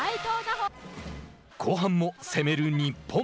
後半も攻める日本。